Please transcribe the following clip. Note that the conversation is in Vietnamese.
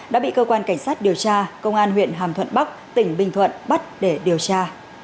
đã bị cơ quan cảnh sát điều tra công an huyện hàm thuận bắc tỉnh bình thuận bắt để điều tra